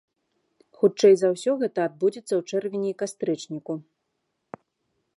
Хутчэй за ўсё гэта адбудзецца ў чэрвені і кастрычніку.